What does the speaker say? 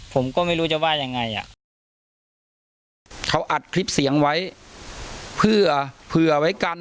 ผมก็ไม่รู้จะว่ายังไงอ่ะเขาอัดคลิปเสียงไว้เพื่อเผื่อไว้กัน